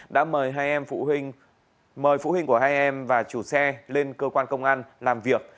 đã mời phụ huynh của hai em và chủ xe lên cơ quan công an làm việc